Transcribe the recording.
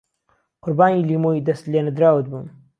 قوربانی لیمۆی دهست لێنەدراوت بم